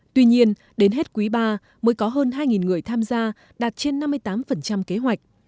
tuy nhiên đến hết quý ba mới có hơn hai người tham gia đạt trên năm mươi tám kế hoạch